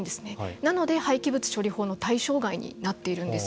なので廃棄物処理法の対象外になっているんです。